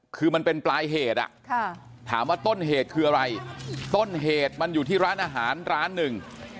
คือมันเป็นปลายเหตุถามว่าต้นเหตุคืออะไรต้นเหตุมันอยู่ที่ร้านอาหารร้านหนึ่ง